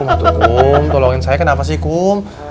kum atuh kum tolongin saya kenapa sih kum